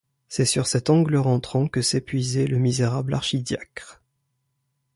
C’est sur cet angle rentrant que s’épuisait le misérable archidiacre.